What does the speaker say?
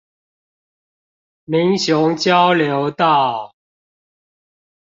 民雄交流道